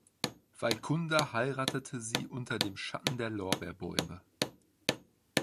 Vaikundar heiratete sie unter dem Schatten der Lorbeerbäume.